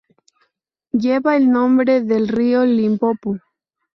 Lleva el nombre del río Limpopo.